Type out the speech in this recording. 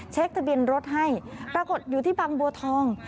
ทะเบียนรถให้ปรากฏอยู่ที่บางบัวทอง